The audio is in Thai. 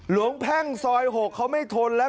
หลวงแพงซอยหกเขาไม่ทนแล้ว